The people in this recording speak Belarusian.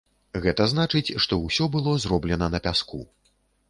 Гэта значыць, што ўсё было зроблена на пяску.